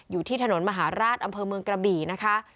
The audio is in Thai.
อยู่ที่ถนนมหาราชอำเภอเมืองกระบี่นะคะ